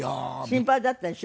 心配だったでしょ？